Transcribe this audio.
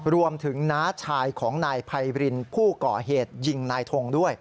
น้าชายของนายไพรินผู้ก่อเหตุยิงนายทงด้วย